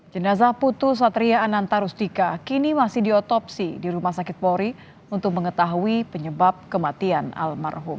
jenazah putu satria ananta rusdika kini masih diotopsi di rumah sakit polri untuk mengetahui penyebab kematian almarhum